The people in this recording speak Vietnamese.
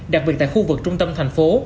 đặc biệt tại khu vực trung tâm thành phố